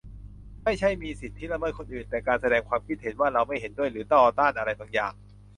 ไม่ใช่มีสิทธิละเมิดคนอื่น แต่การแสดงความคิดเห็นว่าเราไม่เห็นด้วยหรือต่อต้านอะไรบางอย่าง